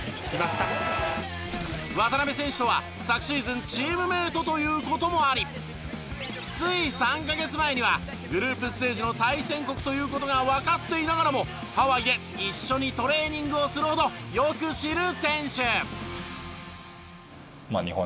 渡邊選手とは昨シーズンチームメイトという事もありつい３カ月前にはグループステージの対戦国という事がわかっていながらもハワイで一緒にトレーニングをするほどよく知る選手。